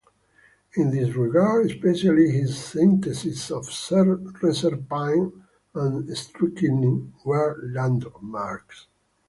In this regard, especially his syntheses of reserpine and strychnine were landmarks.